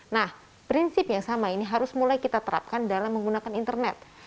nah prinsip yang sama ini harus mulai kita terapkan dalam menggunakan internet